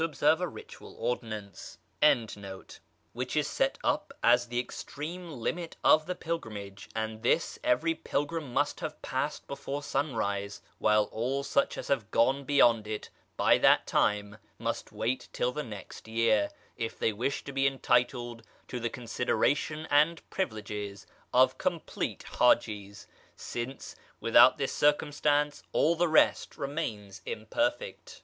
396]Beyond this point stands a column,[FN#11] which is set up as the extreme limit of the pilgrimage, and this every pilgrim must have passed before sunrise; while all such as have not gone beyond it by that time must wait till the next year, if they wish to be entitled to the consideration and privileges of complete Hajis, since, without this circumstance, all the rest remains imperfect.